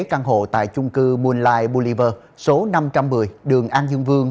căn hộ tại trung cư moonlight boulevard số năm trăm một mươi đường an dương vương